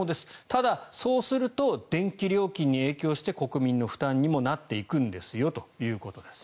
ただ、そうすると電気料金に影響して国民の負担にもなっていくんですよということです。